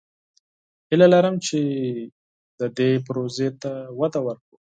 هیله لرم چې دې پروژې ته وده ورکړو.